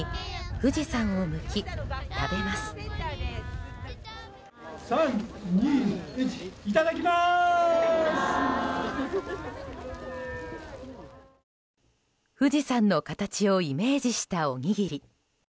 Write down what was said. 富士山の形をイメージしたおにぎり。